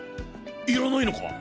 いらないのか？